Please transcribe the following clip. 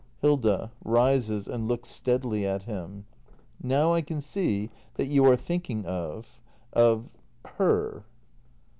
Hilda. [Rises and looks steadily at him.] Now I can see that you are thinking of — of her.